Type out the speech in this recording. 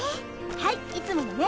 はいいつものね。